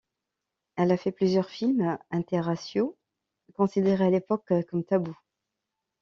Elle a fait plusieurs films interraciaux, considérés à l'époque comme tabous.